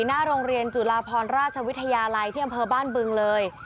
หน้าโรงเรียนจุฬาพรราชวิทยาลัยที่อำเภอบ้านบึงเลย